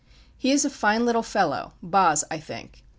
"He is a fine little fellow Boz, I think.